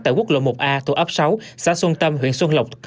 tại quốc lộ một a thuộc ấp sáu xã xuân tâm huyện xuân lộc